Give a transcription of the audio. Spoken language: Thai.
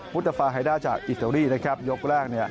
มุฒาฟาไฮด้าจากอิสเตอรี่นะครับยกแรก